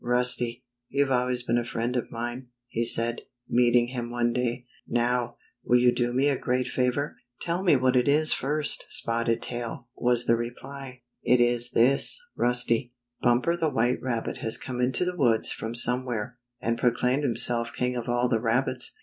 "Rusty, you've always been a friend of mine," he said, meeting him one day. "Now, will you do me a great favor?" " Tell me what it is first. Spotted Tail," was the reply. " It is this. Rusty. Bumper the White Rabbit has come into the woods from somewhere, and proclaimed himself king of all the rabbits.